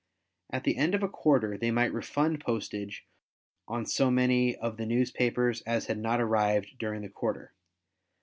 At the end of a quarter, they might refund postage on so many of the newspapers as had not arrived during the quarter.